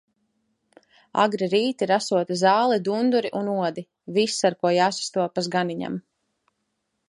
Agri rīti, rasota zāle, dunduri un odi - viss, ar ko jāsastopas ganiņam.